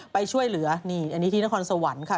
ไปช่วยเหลือนี่อันนี้ที่นครสวรรค์ค่ะ